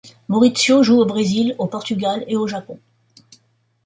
Mauricio joue au Brésil, au Portugal et au Japon.